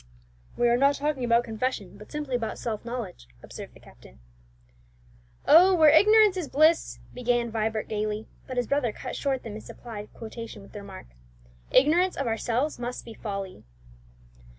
"We are not talking about confession, but simply about self knowledge," observed the captain. "Oh, where ignorance is bliss," began Vibert gaily; but his brother cut short the misapplied quotation with the remark, "Ignorance of ourselves must be folly."